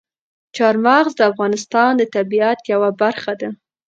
چار مغز د افغانستان د طبیعت یوه برخه ده.